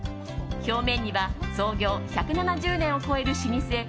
表面には創業１７０年を超える老舗